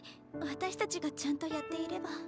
私たちがちゃんとやっていれば。